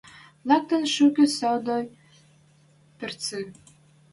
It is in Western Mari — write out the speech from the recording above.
Лӓктӹн шукы сӧдӧй пӹрцӹ